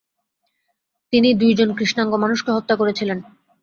তিনি দুইজন কৃষ্ণাঙ্গ মানুষকে হত্যা করেছিলেন।